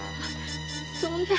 そんな。